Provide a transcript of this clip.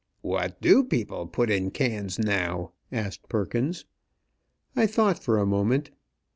"What do people put in cans now?" asked Perkins. I thought for a moment.